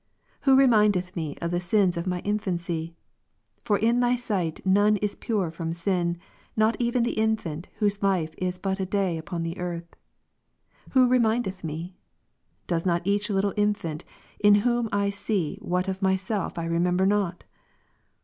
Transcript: Who remindeth me of the sins of my .Job 25, infancy ? for in Thy sight none is jnwe from sin, not even the infant whose life is hut a day upon the earth. Who remindeth me ? Doth not each little infant, in whom I see what of myself I remember not